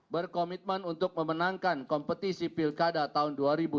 berkomitmen untuk memenangkan kompetisi pilkada tahun dua ribu dua puluh